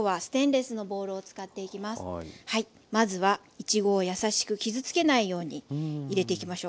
まずはいちごをやさしく傷つけないように入れていきましょう。